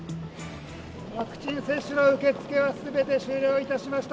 ワクチン接種の受け付けは、すべて終了いたしました。